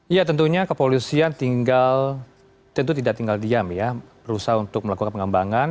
ya tentunya kepolisian tinggal tentu tidak tinggal diam ya berusaha untuk melakukan pengembangan